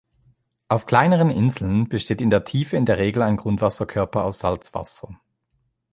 Auf kleineren Inseln besteht in der Tiefe in der Regel ein Grundwasserkörper aus Salzwasser.